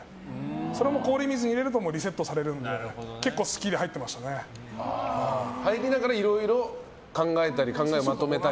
それも氷水に入れるとリセットされるみたいな入りながらいろいろ考えたり考えをまとめたり。